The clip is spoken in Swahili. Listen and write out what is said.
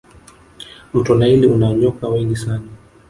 mto naili una nyoka wengi sana